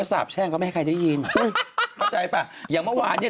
เธอกล้าพูดยังไง